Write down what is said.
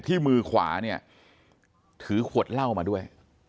มือขวาเนี่ยถือขวดเหล้ามาด้วย